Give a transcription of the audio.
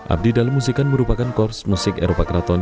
abdi dalam musikan merupakan korps musik eropa keraton